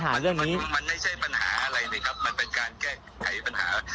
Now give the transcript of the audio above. มันมันไม่ใช่ปัญหาอะไรเลยครับมันเป็นการแก้ไขปัญหา